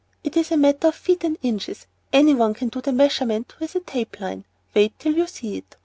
It's just a matter of feet and inches, any one can do the measurement who has a tape line. Wait till you see it.